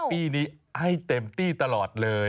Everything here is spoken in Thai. ปีนี้ให้เต็มที่ตลอดเลย